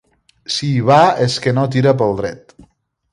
Si hi va és que no tira pel dret.